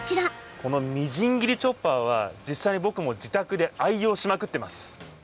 このみじん切りチョッパーは実際に僕も自宅で愛用しまくってます！